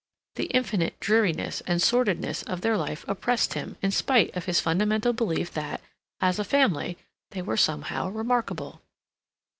The infinite dreariness and sordidness of their life oppressed him in spite of his fundamental belief that, as a family, they were somehow remarkable.